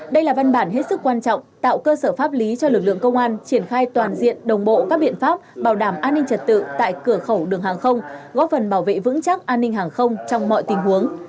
đây là văn bản hết sức quan trọng tạo cơ sở pháp lý cho lực lượng công an triển khai toàn diện đồng bộ các biện pháp bảo đảm an ninh trật tự tại cửa khẩu đường hàng không góp phần bảo vệ vững chắc an ninh hàng không trong mọi tình huống